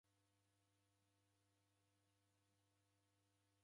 Waghenda ukichibira.